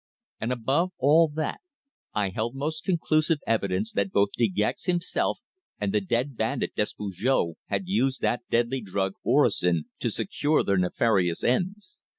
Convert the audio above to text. And above all that, I held most conclusive evidence that both De Gex himself and the dead bandit, Despujol, had used that deadly drug orosin to secure their nefarious ends.